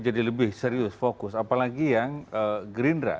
jadi lebih serius fokus apalagi yang gerindra